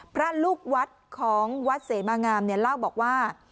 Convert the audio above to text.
พระลูกวัดของวัดเสมางามเนี่ยเล่าบอกว่า